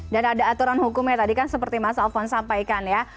dan ada aturan hukumnya tadi kan seperti mas alfons sampaikan ya